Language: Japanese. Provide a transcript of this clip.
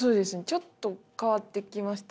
ちょっと変わってきました。